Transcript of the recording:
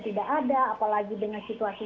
tidak ada apalagi dengan situasi